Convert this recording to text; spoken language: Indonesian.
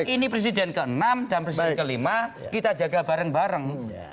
ini presiden ke enam dan presiden ke lima kita jaga bareng bareng